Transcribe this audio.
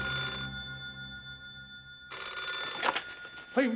はい。